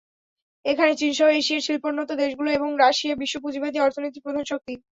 এখন চীনসহ এশিয়ার শিল্পোন্নত দেশগুলো এবং রাশিয়া বিশ্ব পুঁজিবাদী অর্থনীতির প্রধান শক্তি।